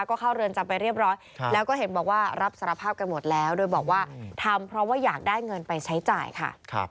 ก็เข้าเรือนจำไปเรียบร้อยแล้วก็เห็นบอกว่ารับสารภาพกันหมดแล้วโดยบอกว่าทำเพราะว่าอยากได้เงินไปใช้จ่ายค่ะ